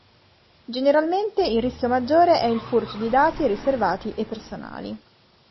Generalmente, il rischio maggiore è il furto di dati riservati e personali.